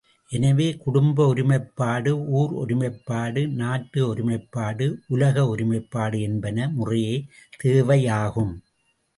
எனவே, குடும்ப ஒருமைப்பாடு ஊர் ஒருமைப்பாடு நாட்டு ஒருமைப்பாடு உலக ஒருமைப்பாடு என்பன முறையே தேவையாகும்.